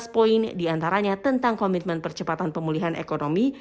tujuh belas poin diantaranya tentang komitmen percepatan pemulihan ekonomi